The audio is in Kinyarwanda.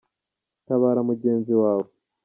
Tabara mugenzi wawe.